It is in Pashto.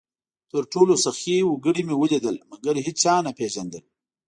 تر ټولو سخي وګړي مې ولیدل؛ مګر هېچا نه پېژندل،